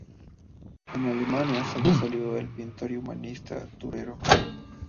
En Alemania sobresalió el pintor y humanista Durero.